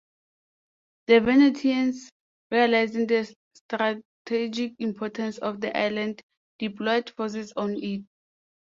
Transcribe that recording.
The Venetians, realizing the strategic importance of the island, deployed forces on it.